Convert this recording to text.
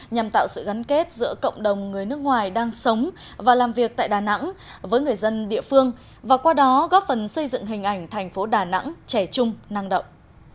nhằm tạo sự gắn kết giữa cộng đồng người nước ngoài đang sống và làm việc tại đà nẵng với người dân địa phương và qua đó góp phần xây dựng hình ảnh thành phố đà nẵng trẻ chung năng động